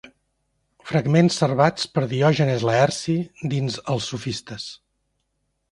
Fragments servats per Diògenes Laerci dins Els sofistes.